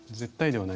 はい。